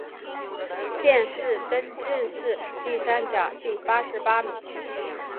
殿试登进士第三甲第八十八名。